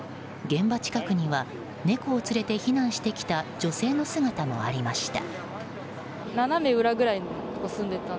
現場近くには猫を連れて避難してきた女性の姿もありました。